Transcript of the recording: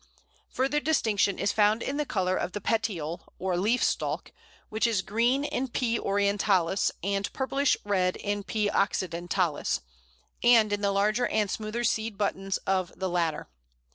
Further distinction is found in the colour of the petiole or leaf stalk, which is green in P. orientalis, and purplish red in P. occidentalis, and in the larger and smoother seed buttons of the latter.